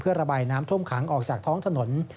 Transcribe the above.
ระบายน้ำท่วมขังออกจากท้องถนน